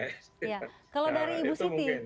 kalau dari ibu siti